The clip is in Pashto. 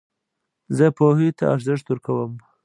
زه پوهي ته ارزښت ورکوم.